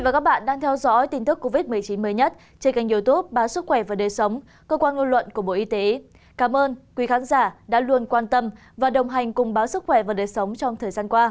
cảm ơn các bạn đã theo dõi